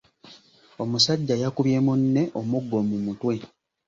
Omusajja yakubye munne omuggo mu mutwe.